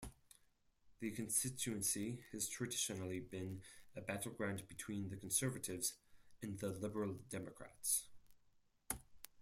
The constituency has traditionally been a battleground between the Conservatives and the Liberal Democrats.